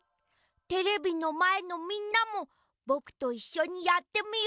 テレビのまえのみんなもぼくといっしょにやってみよう。